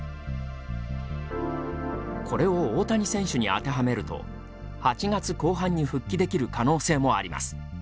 これを大谷選手に当てはめると８月後半に復帰できる可能性もあります。